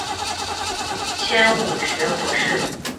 迁武学博士。